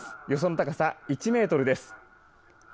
予想の高さ１メートルです。